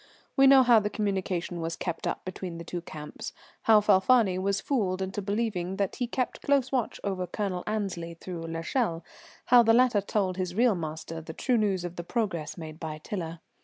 We know how the communication was kept up between the two camps, how Falfani was fooled into believing that he kept close watch over Colonel Annesley through l'Echelle, how the latter told his real master the true news of the progress made by Tiler.